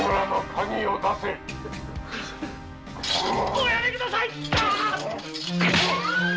おやめください‼